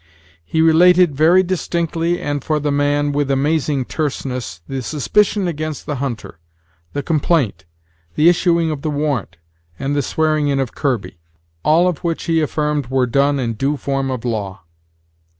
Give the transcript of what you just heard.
He related very distinctly and, for the man, with amazing terseness, the suspicion against the hunter, the complaint, the issuing of the warrant, and the swearing in of Kirby; all of which, he affirmed, were done in due form of law.